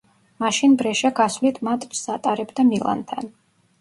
მაშინ ბრეშა გასვლით მატჩს ატარებდა მილანთან.